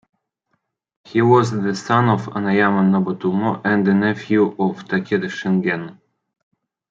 He was the son of Anayama Nobutomo and a nephew of Takeda Shingen.